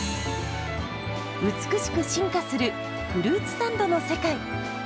美しく進化するフルーツサンドの世界。